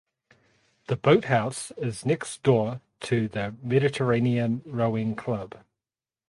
The boathouse is next door to the Mediterranean Rowing Club.